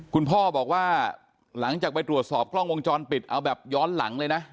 คุณพ่อบอกว่าหลังจากไปตรวจสอบกล้องวงจรปิดเอาแบบย้อนหลังเลยนะ